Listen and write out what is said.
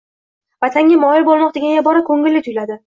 “Vatanga moyil bo’lmoq” degan ibora kulgili tuyuladi.